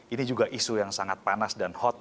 ini juga isu yang sangat panas dan sangat penting